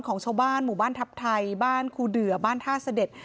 ของชาวบ้านหมู่บ้านทัพไทยบ้านครูเดือบ้านท่าเสด็จ